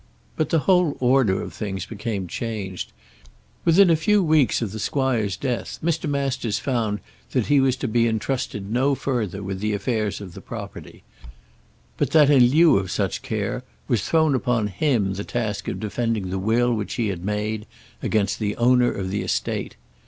But the whole order of things became changed. Within a few weeks of the squire's death Mr. Masters found that he was to be entrusted no further with the affairs of the property, but that, in lieu of such care, was thrown upon him the task of defending the will which he had made against the owner of the estate.